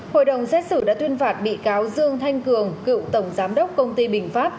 hội đồng xét xử đã tuyên phạt bị cáo dương thanh cường cựu tổng giám đốc công ty bình pháp